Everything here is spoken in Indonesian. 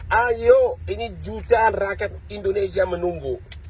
ayo ini jutaan rakyat indonesia menunggu